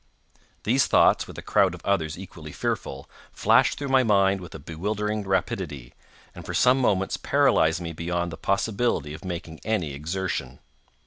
These thoughts, with a crowd of others equally fearful, flashed through my mind with a bewildering rapidity, and for some moments paralyzed me beyond the possibility of making any exertion.